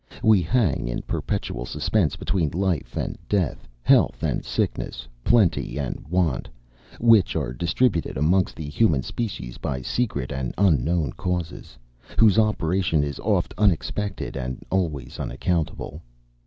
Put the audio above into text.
We hang in perpetual suspense between life and death, health and sickness, plenty and want, which are distributed amongst the human species by secret and unknown causes, whose operation is oft unexpected, and always unaccountable.